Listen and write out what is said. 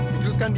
jadul kan dia